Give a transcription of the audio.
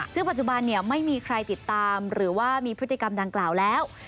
ซึ่งปัจจุบันไม่มีใครติดตามหรือว่ามีพฤติกรรมดังกล่าวแล้ว